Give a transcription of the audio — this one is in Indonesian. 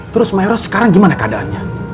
terus mak eros sekarang gimana keadaannya